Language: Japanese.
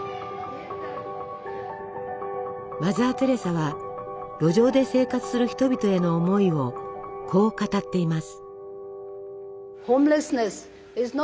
マザー・テレサは路上で生活する人々への思いをこう語っています。